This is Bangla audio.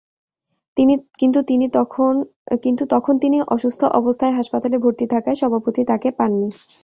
কিন্তু তখন তিনি অসুস্থ অবস্থায় হাসপাতালে ভর্তি থাকায় সভাপতি তাঁকে পাননি।